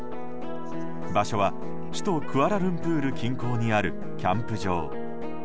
場所は首都クアラルンプール近郊にあるキャンプ場。